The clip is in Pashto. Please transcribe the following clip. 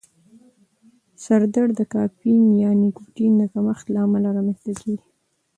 سر درد د کافین یا نیکوتین د کمښت له امله رامنځته کېږي.